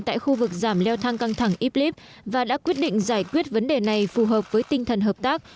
tại khu vực giảm leo thang căng thẳng iblis và đã quyết định giải quyết vấn đề này phù hợp với tinh thần hợp tác